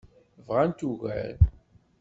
Bɣant ugar.